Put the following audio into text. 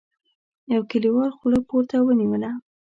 يوه کليوال خوله پورته ونيوله: